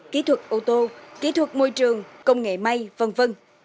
kỹ thuật ô tô kỹ thuật môi trường công nghệ may v v